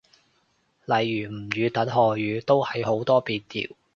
例如吳語等漢語，都係好多變調